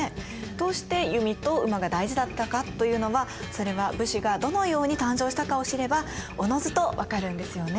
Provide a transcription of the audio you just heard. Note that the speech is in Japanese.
どうして弓と馬が大事だったかというのはそれは武士がどのように誕生したかを知ればおのずと分かるんですよね？